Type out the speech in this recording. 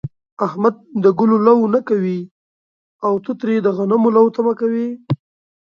احمد د گلو لو نه کوي، او ته ترې د غنمو لو تمه کوې.